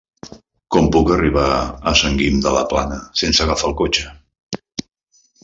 Com puc arribar a Sant Guim de la Plana sense agafar el cotxe?